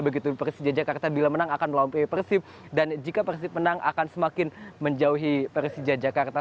begitu persija jakarta bila menang akan melawan persib dan jika persib menang akan semakin menjauhi persija jakarta